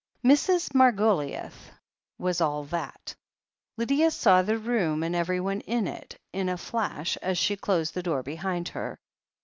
Mrs. Margoliouth was all that Lydia saw the room and everyone in it, in a flash, as she closed|the door behind her.